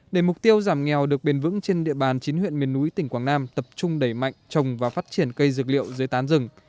để mục tiêu giảm nghèo được bền vững trên địa bàn chín huyện miền núi tỉnh quảng nam tập trung đẩy mạnh trồng và phát triển cây dược liệu dưới tán rừng